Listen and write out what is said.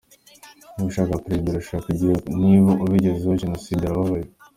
Niba ushaka Perezida urashaka igihugu, niba ubigezeho Jenoside irabaye.”